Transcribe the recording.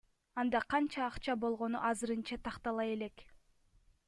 Анда канча акча болгону азырынча тактала элек.